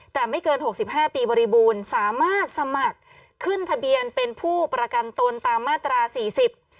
แต่ไม่เกินหกสิบห้าปีบริบูรณ์สามารถสมัครขึ้นทะเบียนเป็นผู้ประกันตนตามมาตราสี่สิบ